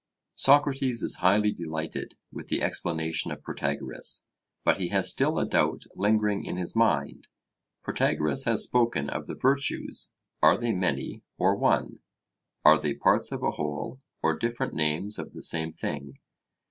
Socrates is highly delighted with the explanation of Protagoras. But he has still a doubt lingering in his mind. Protagoras has spoken of the virtues: are they many, or one? are they parts of a whole, or different names of the same thing?